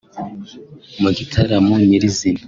Mu gitaramo nyir’izina